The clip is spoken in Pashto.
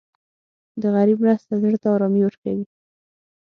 د غریب مرسته زړه ته ارامي ورکوي.